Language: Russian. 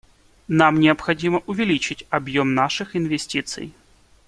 Нам необходимо увеличить объем наших инвестиций.